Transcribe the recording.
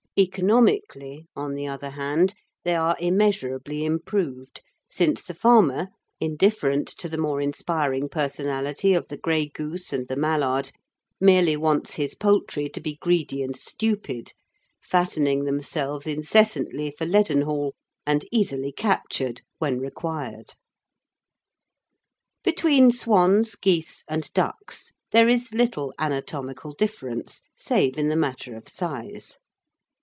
Economically, on the other hand, they are immeasurably improved, since the farmer, indifferent to the more inspiring personality of the grey goose and the mallard, merely wants his poultry to be greedy and stupid, fattening themselves incessantly for Leadenhall and easily captured when required. Between swans, geese and ducks there is little anatomical difference, save in the matter of size.